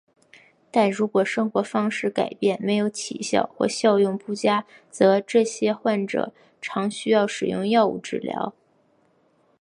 但如果生活方式改变没有起效或效用不佳则这些患者常需要使用药物治疗。